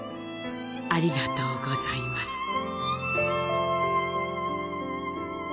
ありがとうございます。